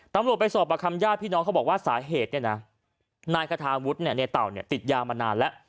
ตำรวจไปสอบประคำญาติพี่น้องเขาบอกว่าสาเหตุนายขทาวุฒิในเต่าติดยามานานแล้ว